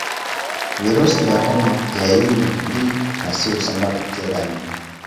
Virusi vya homa ya ini B na C husambaa kupitia damu